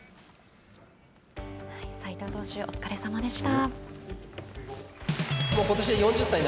斎藤投手、お疲れさまでした。